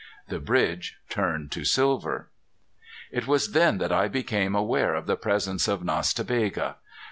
The bridge turned to silver. It was then that I became aware of the presence of Nas ta Bega.